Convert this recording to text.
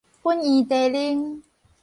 粉圓茶奶